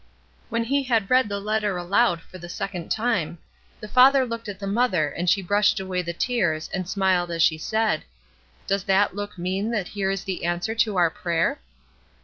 When he had read the letter aloud for the second time, the father looked at the mother and she brushed away the tears and smiled as she said, ''Does that look mean that here is the answer to our prayer?"